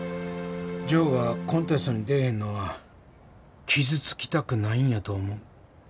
ジョーがコンテストに出えへんのは傷つきたくないんやと思う。